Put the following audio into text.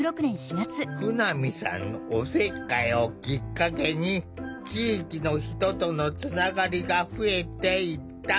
舩見さんのおせっかいをきっかけに地域の人とのつながりが増えていった。